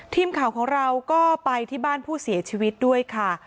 ทีมข่าวของเราก็ไปที่บ้านผู้เสียชีวิตด้วยค่ะ